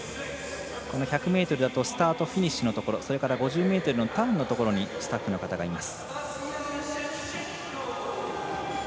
１００ｍだとスタート、フィニッシュのところそれから５０ｍのターンのところにスタッフの方がいます。